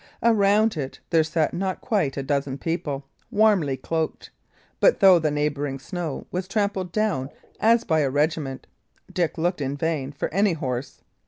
Around it there sat not quite a dozen people, warmly cloaked; but though the neighbouring snow was trampled down as by a regiment, Dick looked in vain for any horse.